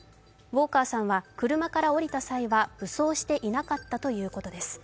ウォーカーさんは車から降りた際は、武装していなかったということです。